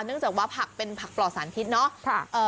เนื่องจากว่าผักเป็นผักปลอดสารพิษเนาะ